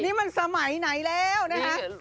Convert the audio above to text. นี่มันสมัยไหนแล้วนะฮะ